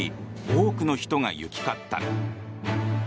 多くの人が行き交った。